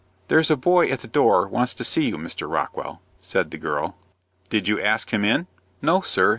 "There's a boy at the door wants to see you, Mr. Rockwell," said the girl. "Did you ask him in?" "No sir.